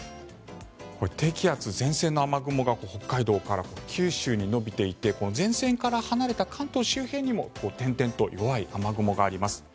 低気圧、前線の雨雲が北海道から九州に延びていて前線から離れた関東周辺にも点々と弱い雨雲があります。